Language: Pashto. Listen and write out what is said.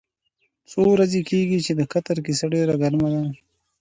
دا څو ورځې کېږي چې د قطر کیسه ډېره ګرمه ده.